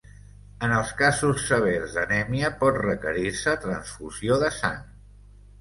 En els casos severs d'anèmia pot requerir-se transfusió de sang.